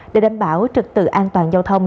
để đảm bảo trực tự an toàn giao thông